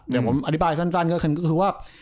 เดี๋ยวผมอธิบายสั้นก็คือว่า